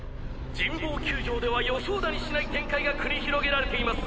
神保球場では予想だにしない展開が繰り広げられています